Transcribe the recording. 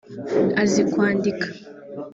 azi kwandika